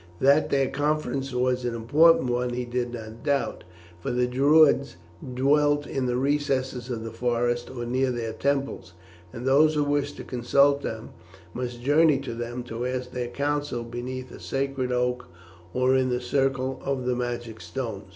That their conference was an important one he did not doubt; for the Druids dwelt in the recesses of the forests or near their temples, and those who wished to consult them must journey to them to ask their counsel beneath a sacred oak or in the circle of the magic stones.